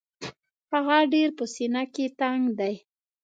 هغه ډېر په سینه کې تنګ دی.